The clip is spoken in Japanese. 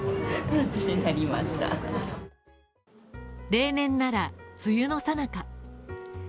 例年なら、梅雨のさなか。